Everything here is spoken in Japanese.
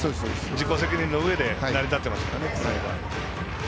自己責任のうえで成り立ってますからね。